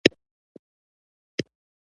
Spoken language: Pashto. فقره د لیکني نظم جوړوي.